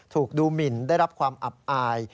ถูกดูหมินได้รับความอับอาย